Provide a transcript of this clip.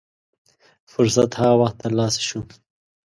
فرصت هغه وخت تر لاسه شو.